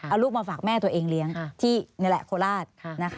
เอาลูกมาฝากแม่ตัวเองเลี้ยงที่นี่แหละโคราช